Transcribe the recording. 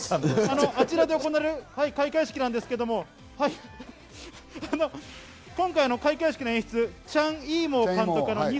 あちらで行われる開会式なんですけれども、今回、開会式の演出、チャン・イーモウ監督。